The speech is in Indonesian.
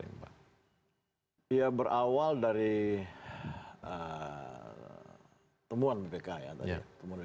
ya berawal dari temuan bpk ya tadi